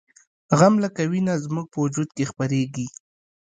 غم لکه وینه زموږ په وجود کې خپریږي